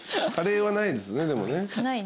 カレーはないですねでもね。